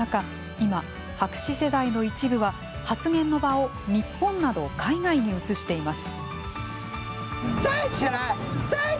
今、白紙世代の一部は発言の場を日本など海外に移しています。